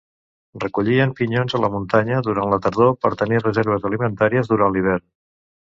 Recollien pinyons a la muntanya durant la tardor per tenir reserves alimentàries durant l'hivern.